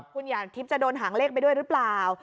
คุณหยาดทิพย์จะโดนหางเลขไปด้วยหรือเปล่า